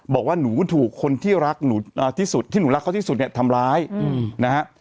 บอกว่าหนูถูกคนที่รักหนูที่สุดที่หนูรักเขาที่สุดเนี่ยทำร้ายนะฮะ